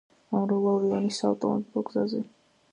ამბროლაური–ონის საავტომობილო გზაზე.